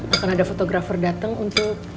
akan ada fotografer datang untuk